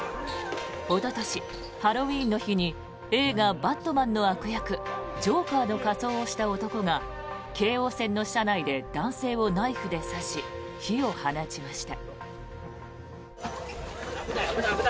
おととし、ハロウィーンの日に映画「バットマン」の悪役ジョーカーの仮装をした男が京王線の車内で男性をナイフで刺し火を放ちました。